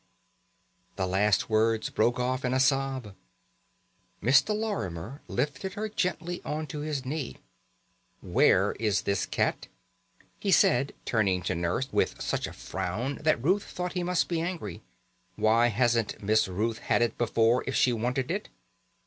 The last words broke off in a sob. Mr. Lorimer lifted her gently on to his knee. "Where is this cat?" he said, turning to Nurse with such a frown that Ruth thought he must be angry. "Why hasn't Miss Ruth had it before if she wanted it?"